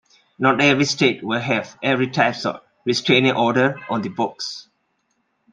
Not every state will have every type of restraining order on the books.